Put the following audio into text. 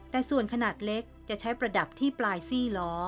แต่ส่วนขนาดเล็กจะใช้ประดับที่ปลายซี่ล้อ